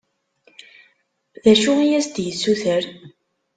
D acu i as-d-yessuter?